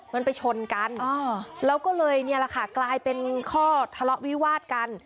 มันไปชนกันแล้วก็เลยกลายเป็นข้อทะเลาะวิวาดกัน